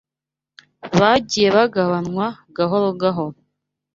bagiye bagabanywa gahoro gahoro.